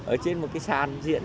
ở trên một cái sàn diễn